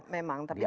memang tapi di